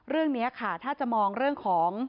เรื่องนี้ค่ะถ้าจะมองเรื่องของ